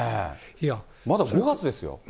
まだ５月ですよ。